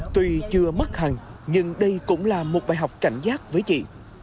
tuy chưa mất hẳn nhưng đây cũng là một bài học cảnh giác với chị